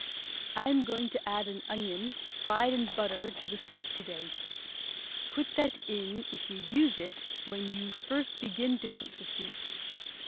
I am going to add an onion fried in butter to the soup to day. Put that in, if you use it, when you first begin to cook the soup.